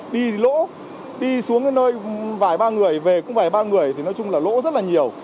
đi lỗ đi xuống cái nơi vài ba người về cũng vài ba người thì nói chung là lỗ rất là nhiều